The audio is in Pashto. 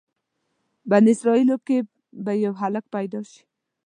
بني اسرایلو کې به یو هلک پیدا شي.